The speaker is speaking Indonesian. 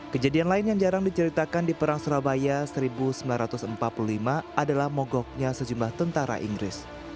kejadian lain yang jarang diceritakan di perang surabaya seribu sembilan ratus empat puluh lima adalah mogoknya sejumlah tentara inggris